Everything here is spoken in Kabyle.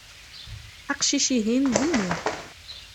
Aqcic-ihin, d mmi.